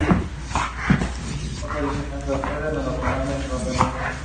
El proyecto nunca pasó de la etapa de diseño.